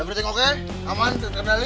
everything oke aman terkenali